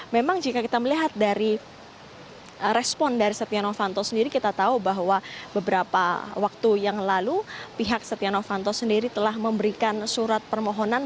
memang jika kita melihat dari respon dari setia novanto sendiri kita tahu bahwa beberapa waktu yang lalu pihak setia novanto sendiri telah memberikan surat permohonan